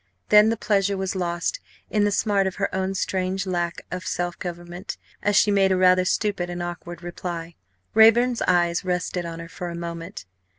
Then the pleasure was lost in the smart of her own strange lack of self government as she made a rather stupid and awkward reply. Raeburn's eyes rested on her for a moment.